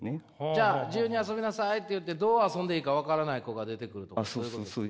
じゃあ「自由に遊びなさい」って言ってどう遊んでいいか分からない子が出てくるとかそういうことですか？